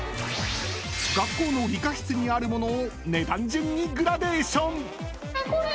学校の理科室にあるものを値段順にグラデーション。